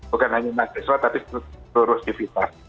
bukan hanya mahasiswa tapi seluruh aktivitas